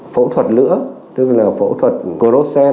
phẫu thuật lửa tức là phẫu thuật crocsen